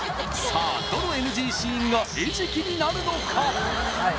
さあどのＮＧシーンが餌食になるのか？